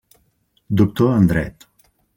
Doctor en dret.